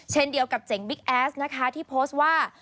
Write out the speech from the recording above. เดียวกับเจ๋งบิ๊กแอสนะคะที่โพสต์ว่า